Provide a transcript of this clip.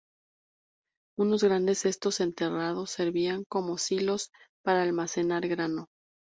Unos grandes cestos enterrados servían como silos para almacenar grano.